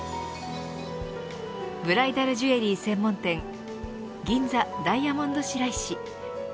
ブライダルジュエリー専門店銀座ダイヤモンドシライシ。